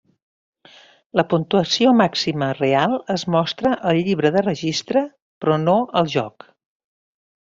La puntuació màxima real es mostra al llibre de registre, però no al joc.